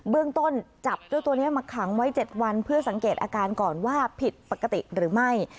เรื่องต้นจับเจ้าตัวนี้มาขังไว้๗วันเพื่อสังเกตอาการก่อนว่าผิดปกติหรือไม่